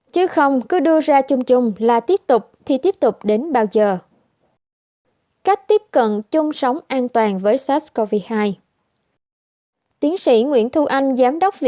chứ không cứ đưa ra chung chung là tiếp tục thì tiếp tục đến bao giờ